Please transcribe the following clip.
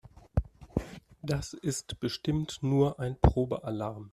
Das ist bestimmt nur ein Probealarm.